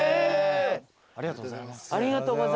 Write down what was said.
ありがとうございます。